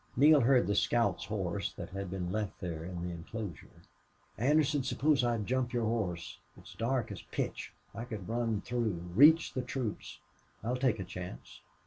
Neale heard the scout's horse, that had been left there in the inclosure. "Anderson, suppose I jump your horse. It's dark as pitch. I could run through reach the troops. I'll take a chance."